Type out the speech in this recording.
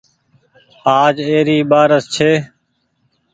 آج اي ري ٻآرس ڇي۔